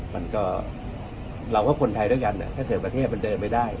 มันก็เราก็คนไทยด้วยกันถ้าเกิดประเทศมันเดินไม่ได้